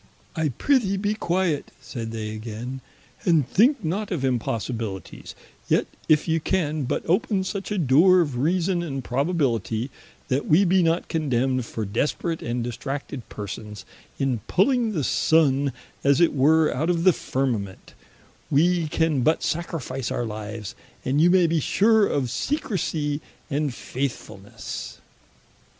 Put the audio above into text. "I prethee be quiet (said they againe) and think not of impossibilities: yet if you can but open such a doore of reason and probabilitie, that we be not condemned for desperate and distracted persons, in pulling the Sunne as it were out of the Firmament, wee can but sacrifice our lives, and you may be sure of secrecie and faithfulnesse."